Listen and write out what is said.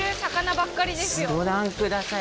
ご覧ください。